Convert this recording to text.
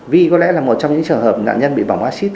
vi có lẽ là một trong những trường hợp nạn nhân bị bỏng acid